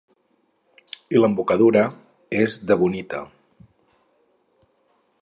I l'embocadura és d'ebonita.